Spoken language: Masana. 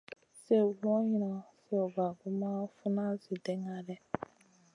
Sliw luwanŋa, sliw bagumʼma, funa, Zi ɗènŋa lèh.